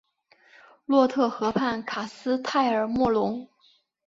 洛特河畔卡斯泰尔莫龙。